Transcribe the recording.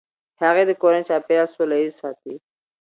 هغې د کورني چاپیریال سوله ایز ساتي.